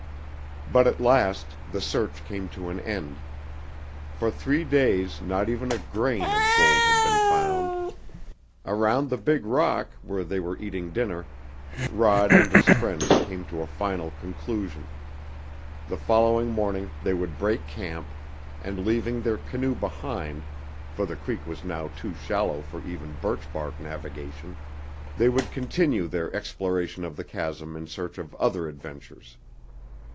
But at last the search came to an end. For three days not even a grain of gold had been found. Around the big rock, where they were eating dinner, Rod and his friends came to a final conclusion. The following morning they would break camp, and leaving their canoe behind, for the creek was now too shallow for even birch bark navigation, they would continue their exploration of the chasm in search of other adventures.